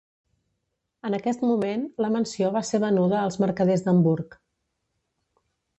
En aquest moment la mansió va ser venuda als mercaders d'Hamburg.